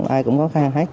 ai cũng khó khăn hết